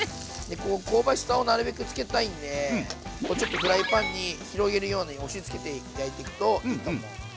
でこう香ばしさをなるべくつけたいんでこうちょっとフライパンに広げるように押しつけて焼いていくといいと思う。